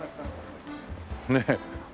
ねえ。